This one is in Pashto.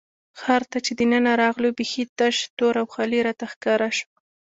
ښار ته چې دننه راغلو، بېخي تش، تور او خالي راته ښکاره شو.